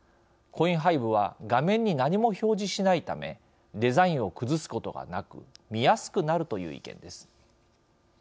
コインハイブは画面に何も表示しないためデザインを崩すことがなく見やすくなるという意見です。